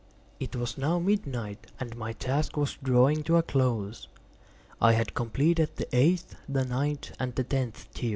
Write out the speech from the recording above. It was now midnight, and my task was drawing to a close. I had completed the eighth, the ninth, and the tenth tier.